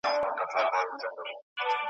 دواړي سترګي د غوايي دي ورتړلي `